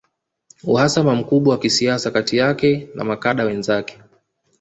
Uhasama mkubwa wa kisiasa kati yake na makada wenzake